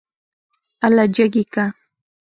اله جګ يې که.